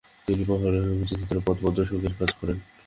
তিনি পর্বতারোহী, অভিযাত্রীদের পথ প্রদর্শকের কাজ করেন।